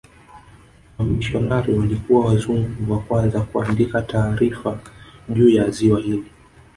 wamishionari walikuwa wazungu wa kwanza kuandika taarifa juu ya ziwa hili